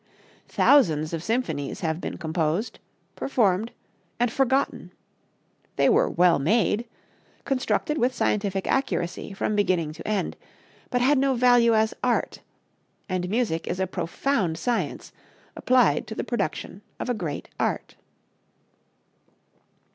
Thousands of symphonies have been composed, performed and forgotten. They were "well made," constructed with scientific accuracy from beginning to end, but had no value as art; and music is a profound science applied to the production of a great art.